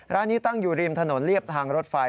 ร้านนี้ตั้งอยู่ริมถนนเรียบทางรถไฟ